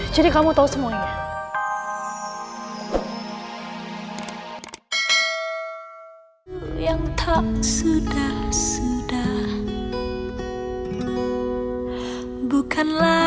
jadi kamu tau semuanya